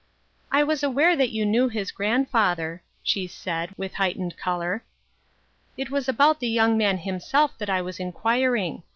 " I was aware that you knew his grandfather, " she said, with heightened color. " It was about the young man himself that I was inquiring.